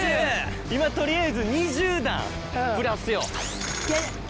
今取りあえず２０段プラスよ。